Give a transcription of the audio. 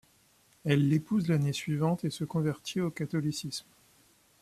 Elle l'épouse l'année suivante et se convertit au catholicisme.